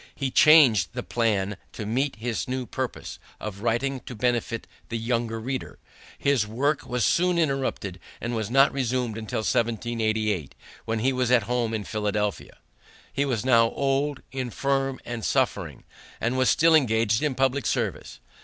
He changed the plan to meet his new purpose of writing to benefit the young reader. His work was soon interrupted and was not resumed until 1788, when he was at home in Philadelphia. He was now old, infirm, and suffering, and was still engaged in public service.